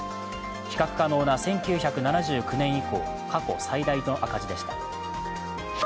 比較可能な１９７９年以降過去最大の赤字でした。